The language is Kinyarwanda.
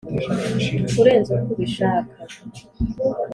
kurenza uko ubishaka